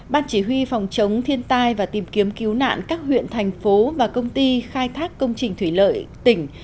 ban chỉ huy phòng chống thiên tai và tìm kiếm cứu nạn các huyện thành phố và công ty khai thác công trình thủy lợi tỉnh